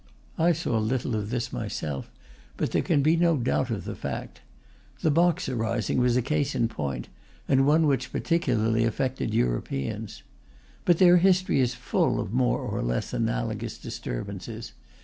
I saw little of this myself, but there can be no doubt of the fact. The Boxer rising was a case in point, and one which particularly affected Europeans. But their history is full of more or less analogous disturbances.